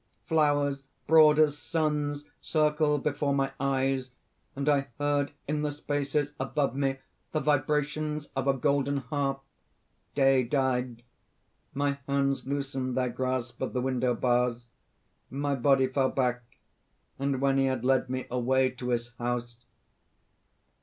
Flowers broad as suns circled before my eyes, and I heard in the spaces above me the vibrations of a golden harp. Day died. My hands loosened their grasp of the window bars; my body fell back, and when he had led me away to his house...."